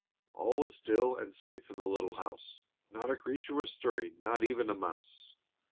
All was still and safe in the little house. "Not a creature was stirring, not even a mouse."